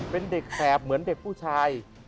เป็นเด็กแสบเหมือนเด็กผู้ชาย